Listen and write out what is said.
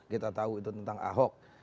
kita tahu itu tentang ahok